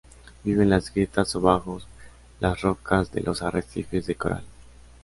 Vive en las grietas o bajos las rocas de los arrecifes de coral.